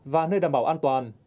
và nơi đảm bảo an toàn